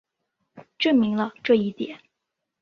证明了这一点。